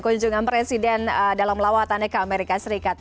kunjungan presiden dalam lawatannya ke amerika serikat